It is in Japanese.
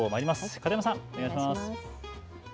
片山さん、お願いします。